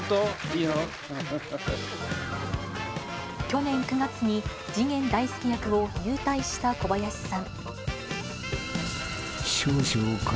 去年９月に次元大介役を勇退した小林さん。